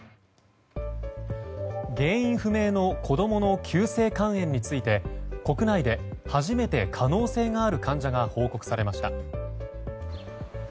原因不明の子供の急性肝炎について国内で初めて可能性がある患者が報告されました。